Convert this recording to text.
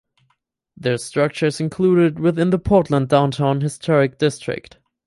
The structure is included within the Portland Downtown Historic District.